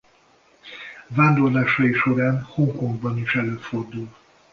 Vándorlásai során Hongkongban is előfordul.